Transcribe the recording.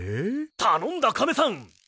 たのんだカメさん！